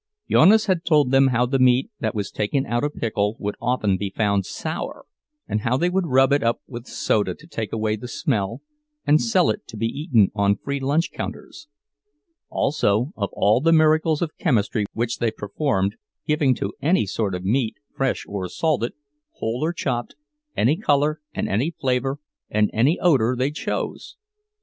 Jonas had told them how the meat that was taken out of pickle would often be found sour, and how they would rub it up with soda to take away the smell, and sell it to be eaten on free lunch counters; also of all the miracles of chemistry which they performed, giving to any sort of meat, fresh or salted, whole or chopped, any color and any flavor and any odor they chose.